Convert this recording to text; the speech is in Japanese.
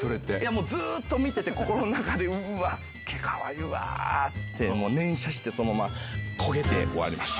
もうずっと見てて、心の中で、うわっ、すげ、かわいいなって言って、もう念写して、そのまま焦げて終わります。